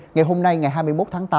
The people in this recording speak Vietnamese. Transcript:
ngày hôm nay ngày hai mươi một tháng tám